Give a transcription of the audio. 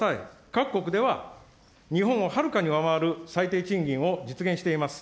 各国では日本をはるかに上回る最低賃金を実現しています。